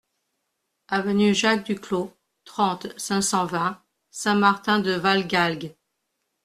Avenue Jacques Duclos, trente, cinq cent vingt Saint-Martin-de-Valgalgues